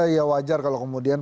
ya wajar kalau kemudian